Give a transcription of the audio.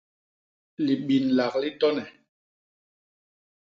Libinlak li tone.